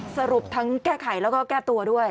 สรุปทั้งแก้ไขแล้วก็แก้ตัวด้วย